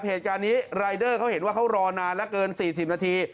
เหตุการณ์นี้รายเดอร์เขาเห็นว่าเขารอนานแล้วเกิน๔๐นาที